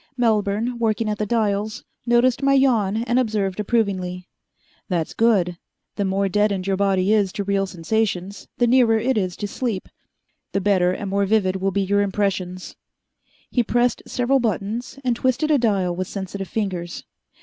Melbourne, working at the dials, noticed my yawn and observed approvingly. "That's good. The more deadened your body is to real sensations the nearer it is to sleep the better and more vivid will be your impressions." He pressed several buttons, and twisted a dial with sensitive fingers.